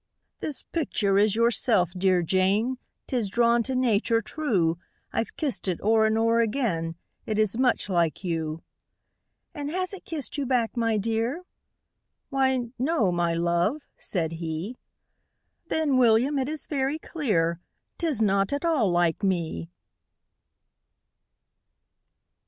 "This picture is yourself, dear Jane 'Tis drawn to nature true: I've kissed it o'er and o'er again, It is much like you." "And has it kissed you back, my dear?" "Why no my love," said he. "Then, William, it is very clear 'Tis not at all LIKE ME!"